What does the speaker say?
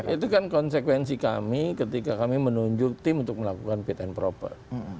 itu kan konsekuensi kami ketika kami menunjuk tim untuk melakukan fit and proper